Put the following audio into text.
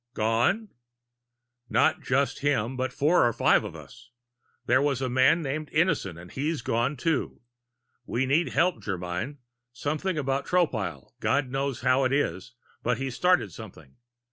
"Gone?" "Not just him, but four or five of us. There was a man named Innison and he's gone, too. We need help, Germyn. Something about Tropile God knows how it is, but he started something.